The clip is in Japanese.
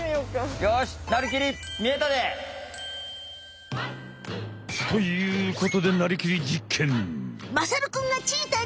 よしということで「なりきり！実験！」。